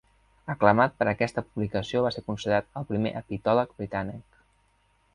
Aclamat per aquesta publicació va ser considerat el primer egiptòleg britànic.